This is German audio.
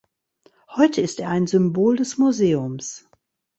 Heute ist er ein Symbol des Museums.